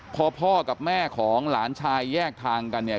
พอพ่อกับแม่ของหลานชายแยกทางกันเนี่ย